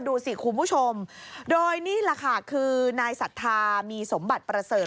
ดูสิคุณผู้ชมโดยนี่แหละค่ะคือนายศรัทธามีสมบัติประเสริฐ